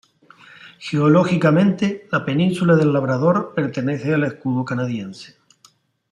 Geológicamente, la península del Labrador pertenece al Escudo Canadiense.